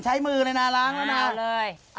ใช้มือเลยนะล้างแล้วนะ